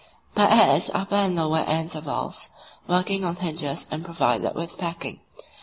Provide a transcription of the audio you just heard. But at its upper and lower ends are valves, working on hinges and provided with packing.